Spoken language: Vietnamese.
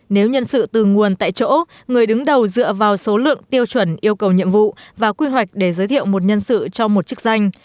nếu nhân sự từ nguồn tại chỗ người đứng đầu dựa vào số lượng tiêu chuẩn yêu cầu nhiệm vụ và quy hoạch để giới thiệu một nhân sự cho một chức danh